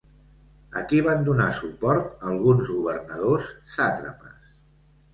A qui van donar suport alguns governadors sàtrapes?